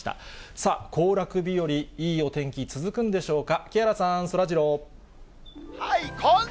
さあ、行楽日和、いいお天気続くんでしょうか。